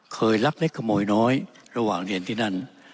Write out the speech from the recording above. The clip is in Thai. เคยรักเล็กขโมยน้อยระหว่างเรียนที่นั่น